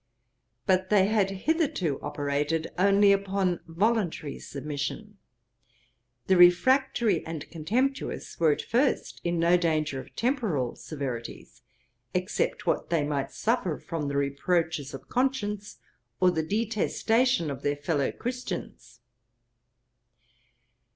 But they had hitherto operated only upon voluntary submission. The refractory and contemptuous were at first in no danger of temporal severities, except what they might suffer from the reproaches of conscience, or the detestation of their fellow Christians.